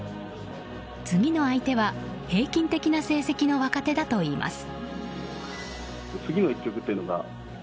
次の相手は平均的な成績の若手だといいます。